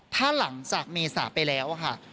ถ้าหลังจากเมษาไปแล้วค่ะ